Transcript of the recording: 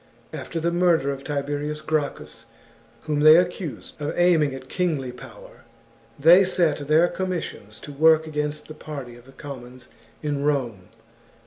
After the murder of Tiberius Gracchus, whom they accused of aiming at kingly power, they set their com missions to work against the party of the commons in Rome.